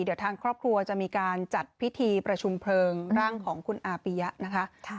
เดี๋ยวทางครอบครัวจะมีการจัดพิธีประชุมเพลิงร่างของคุณอาปียะนะคะ